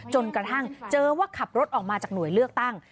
จนกระทั่งเจอว่าขับรถออกมาจากหน่วยเลือกตั้ง